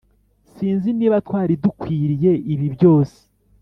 sinzi niba twari dukwiriye ibi byose